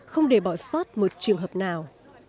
không để bỏ sót một trường hợp nào